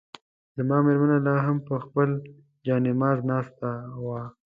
زما مېرمنه لا هم پر خپل جاینماز ناسته وه.